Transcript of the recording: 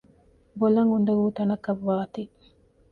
ބޮލަށް އުދަގޫ ތަނަކަށް ވާތީ